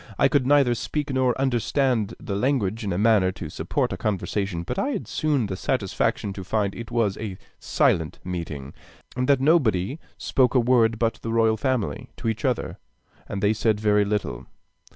I could neither speak nor understand the language in a manner to support a conversation, but I had soon the satisfaction to find it was a silent meeting, and that nobody spoke a word but the royal family to each other, and they said very little.